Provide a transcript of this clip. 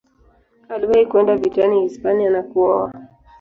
Aliwahi kwenda vitani Hispania na kuoa.